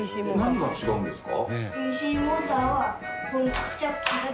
何が違うんですか？